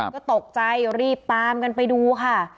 ก็ตกใจรีบตามกันไปดูค่ะ